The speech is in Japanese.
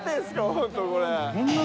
本当にこれ。